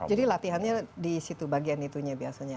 jadi latihannya di situ bagian itunya biasanya